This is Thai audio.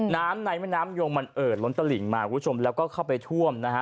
น้ำในแม่น้ำยงมันเอ่อล้นตลิ่งมาคุณผู้ชมแล้วก็เข้าไปท่วมนะฮะ